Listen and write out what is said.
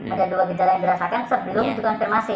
ada dua gejala yang dirasakan sebelum dikonfirmasi